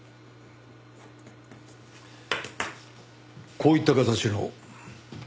こういった形の。